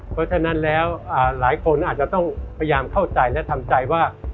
เพราะฉะนั้นแล้วหลายคนอาจจะต้องพยายามเข้าใจและทำใจว่า